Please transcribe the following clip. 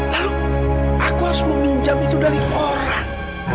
lalu aku harus meminjam itu dari orang